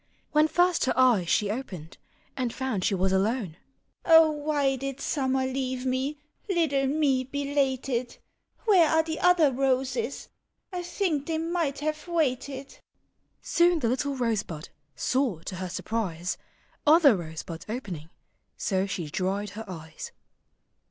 When first her eyes she opened, And found she was alone. " Oh, why did Summer leave me, Little me. belated? Where are the other roses? I think they might have waited." Soon the little rosebud Saw to her surprise Other rosebuds owning. So she dried her eyes.